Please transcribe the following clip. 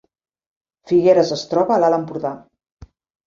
Figueres es troba a l’Alt Empordà